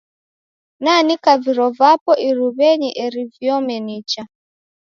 Naanika viro vapo iruw'enyi eri viome nicha.